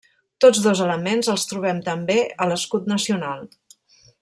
Tots dos elements els trobem també a l'escut nacional.